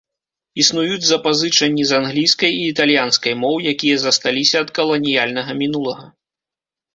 Існуюць запазычанні з англійскай і італьянскай моў, якія засталіся ад каланіяльнага мінулага.